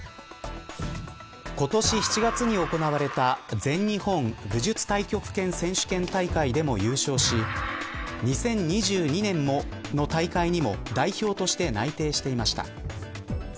今年７月に行われた全日本武術太極拳選手権大会でも優勝し２０２２年の大会にも代表として内定していました。